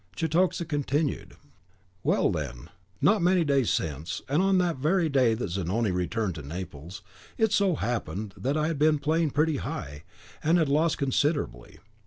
Cetoxa continued. "Well, then, not many days since, and on the very day that Zanoni returned to Naples, it so happened that I had been playing pretty high, and had lost considerably.